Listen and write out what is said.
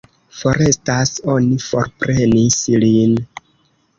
Forestas, oni forprenis lin.